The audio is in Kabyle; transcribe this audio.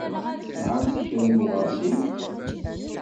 Tesɛamt kra n uɣeṛsiw?